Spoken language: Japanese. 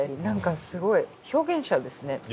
なんかすごい表現者ですね。